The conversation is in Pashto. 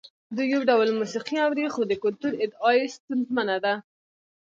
دوی یو ډول موسیقي اوري خو د کلتور ادعا یې ستونزمنه ده.